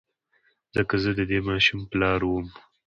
ځکه زه د دې ماشوم پلار وم.